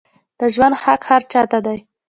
د ژوند حق هر چا ته دی